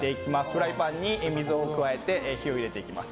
フライパンに水を加えて火を入れていきます。